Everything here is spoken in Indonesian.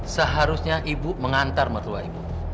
seharusnya ibu mengantar mertua ibu